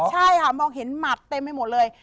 ใช่ค่ะมองเห็นหมัดเต็มไปหมดเลย